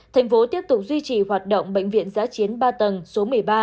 thành phố tiếp tục duy trì hoạt động bệnh viện giã chiến ba tầng số một mươi ba